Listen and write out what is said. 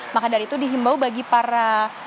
maka dari itu dihimbau bagi para